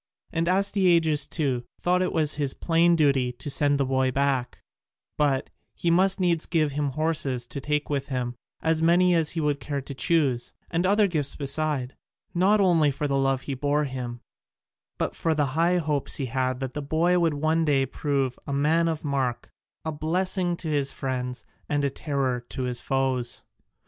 And Astyages, too, thought it his plain duty to send the boy back, but he must needs give him horses to take with him, as many as he would care to choose, and other gifts beside, not only for the love he bore him but for the high hopes he had that the boy would one day prove a man of mark, a blessing to his friends, and a terror to his foes.